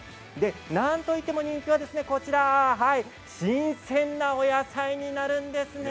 なんといっても人気はこちら新鮮なお野菜になるんですね。